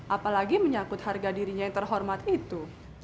apalagi menyangkut harga dirinya yang terhormat itu